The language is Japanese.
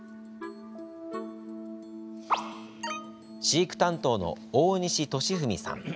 飼育担当の大西敏文さん。